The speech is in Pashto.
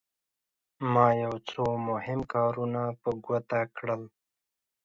ما یو څو مهم کارونه په ګوته کړل.